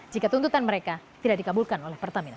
jika tuntutan mereka tidak dikabulkan oleh pertamina